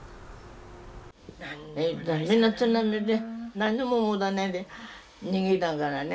津波で何も持たないで逃げたからね。